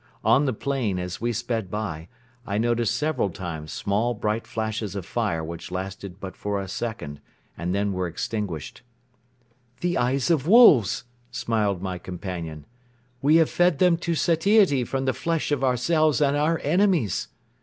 On the plain, as we sped by, I noticed several times small bright flashes of fire which lasted but for a second and then were extinguished. "The eyes of wolves," smiled my companion. "We have fed them to satiety from the flesh of ourselves and our enemies!"